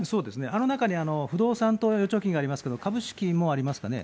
あの中に不動産と預貯金がありますけれども、株式もありますかね。